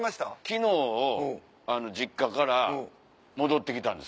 昨日実家から戻って来たんです。